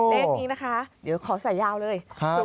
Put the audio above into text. เลขนี้นะคะเดี๋ยวขอใส่ยาวเลย